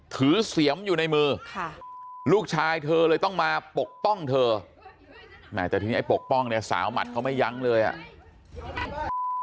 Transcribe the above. เสียมอยู่ในมือค่ะลูกชายเธอเลยต้องมาปกป้องเธอแหมแต่ทีนี้ไอ้ปกป้องเนี่ยสาวหมัดเขาไม่ยั้งเลยอ่ะ